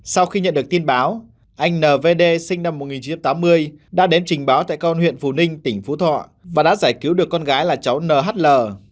sau khi nhận được tin báo anh n vd sinh năm một nghìn chín trăm tám mươi đã đến trình báo tại con huyện phù ninh tỉnh phú thọ và đã giải cứu được con gái là cháu nhl